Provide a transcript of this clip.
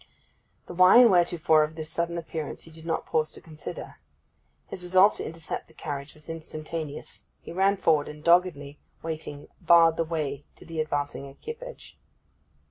The why and wherefore of this sudden appearance he did not pause to consider. His resolve to intercept the carriage was instantaneous. He ran forward, and doggedly waiting barred the way to the advancing equipage.